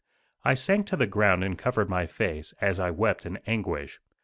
I sank to the ground and covered my face, as I wept in anguish.